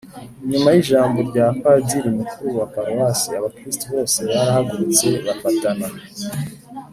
nyuma y’ijambo rya padiri mukuru wa paruwasi, abakristu bose barahagurutse bafatana